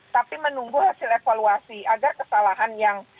tapi menunggu hasil evaluasi agar kesalahan yang